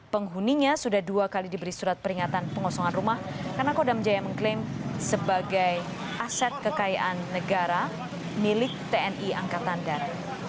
penghuninya sudah dua kali diberi surat peringatan pengosongan rumah karena kodam jaya mengklaim sebagai aset kekayaan negara milik tni angkatan darat